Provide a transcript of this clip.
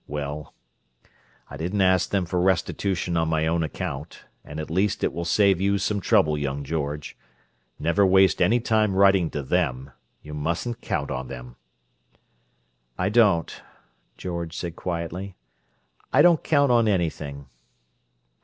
Well, I didn't ask them for restitution on my own account, and at least it will save you some trouble, young George. Never waste any time writing to them; you mustn't count on them." "I don't," George said quietly. "I don't count on anything."